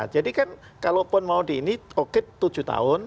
jadi kan kalau pun mau di ini oke tujuh tahun